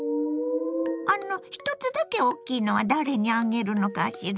あの１つだけ大きいのは誰にあげるのかしら？